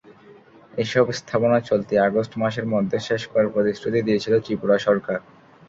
এসব স্থাপনা চলতি আগস্ট মাসের মধ্যে শেষ করার প্রতিশ্রুতি দিয়েছিল ত্রিপুরা সরকার।